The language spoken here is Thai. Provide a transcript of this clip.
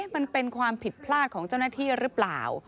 มันเป็นความผิดพลาดของเจ้าหน้าที่หรือเปล่า